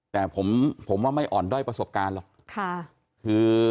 แต่ผมว่าไม่อ่อนด้อยประสบการณ์หรอก